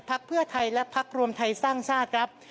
เพื่อไทยและพักรวมไทยสร้างชาติครับ